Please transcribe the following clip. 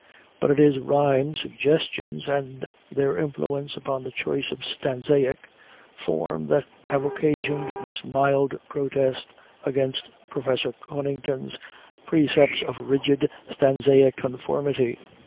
But it is rhyme suggestions and their influence upon the choice of stanzaic form that have occasioned this mild protest against Professor Conington's precepts of rigid stanzaic conformity.